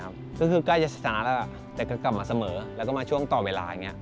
ก็คือก็ใกล้จะสนาด้วยแต่ก็กลับมาเสมอแล้วก็มาช่วงต่อเวลา